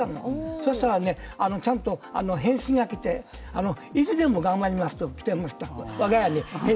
そしたらね、ちゃんと返信がきて、いつでも頑張りますときました。